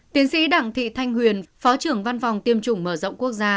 tiến sĩ đặng thị thanh huyền phó trưởng văn phòng tiêm chủng mở rộng quốc gia